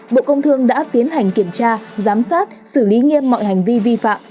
bộ công thương đã tiến hành kiểm tra giám sát xử lý nghiêm mọi hành vi vi phạm